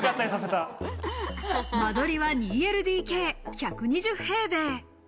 間取りは２ＬＤＫ１２０平米。